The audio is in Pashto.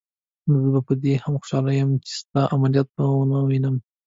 زه په دې هم خوشحاله یم چې ستا عملیات به ونه وینم.